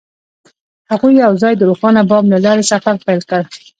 هغوی یوځای د روښانه بام له لارې سفر پیل کړ.